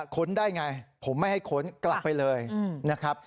ค้นได้ไงผมไม่ให้ค้นกลับไปเลยนะครับ